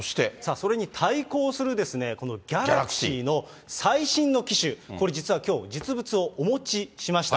それに対抗する、このＧａｌａｘｙの最新の機種、これ実はきょう、実物をお持ちしました。